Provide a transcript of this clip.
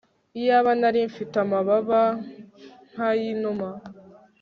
iyaba nari mfite amababa nk'ay'inuma